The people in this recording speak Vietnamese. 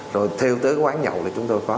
rồi thêu tới quán nhậu là chúng tôi có